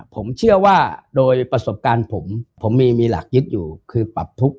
ผมเชื่อว่าโดยประสบการณ์ผมผมมีหลักยึดอยู่คือปรับทุกข์